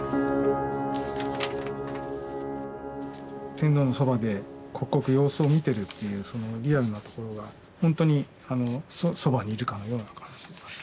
天皇のそばで刻々様子を見てるというそのリアルなところがほんとにそばにいるかのような感じがする。